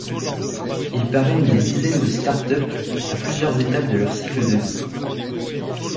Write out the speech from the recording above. Il parraine des dizaines de start-ups à plusieurs étape de leur cycle de vie.